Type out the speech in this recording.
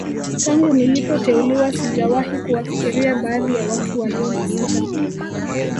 Tangu nilipoteuliwa sijawahi kuwafikiria baadhi ya watu walionisuta